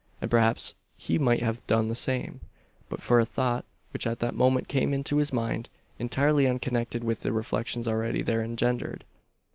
And perhaps he might have done the same; but for a thought which at that moment came into his mind, entirely unconnected with the reflections already there engendered.